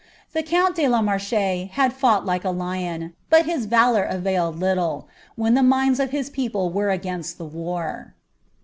The cuoni de la Marche had fought like a lion ; but his valour availed liHlSf wh«n the minds of his people were against the war.